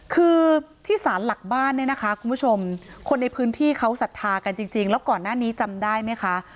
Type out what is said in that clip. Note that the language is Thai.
คือที่สารหลักบ้านเนี่ยนะคะคุณผู้ชมคนในพื้นที่เขาศรัทธากันจริงแล้วก่อนหน้านี้จำได้ไหมคะ